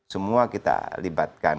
semua kita libatkan